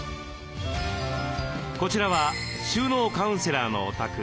こちらは収納カウンセラーのお宅。